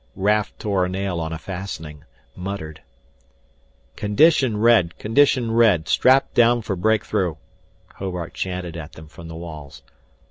Raf tore a nail on a fastening, muttered. "Condition red condition red Strap down for breakthrough " Hobart chanted at them from the walls.